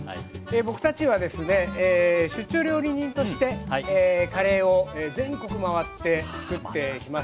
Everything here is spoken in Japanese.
僕たちはですね出張料理人としてカレーを全国回ってつくってきました。